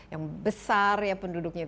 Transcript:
yang besar ya penduduknya